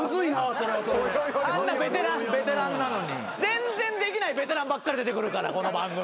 全然できないベテランばっかり出てくるからこの番組。